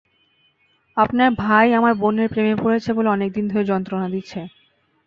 আপনার ভাই আমার বোনের প্রেমে পড়েছে বলে অনেকদিন ধরে যন্ত্রণা দিচ্ছে।